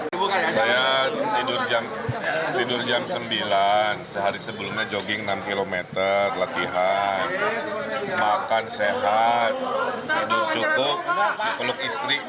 saya tidur jam sembilan sehari sebelumnya jogging enam km latihan makan sehat tidur cukup peluk istri biar mantap